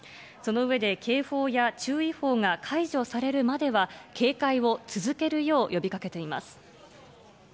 その上で、警報や注意報が解除されるまでは、警戒を続けるよう呼びかけています。